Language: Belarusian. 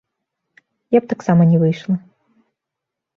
Я б таксама не выйшла.